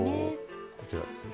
こちらですね。